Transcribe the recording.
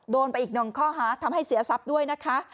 โดนไปอีกหนึ่งข้อหาทำให้เสียทรัพย์ด้วยนะคะ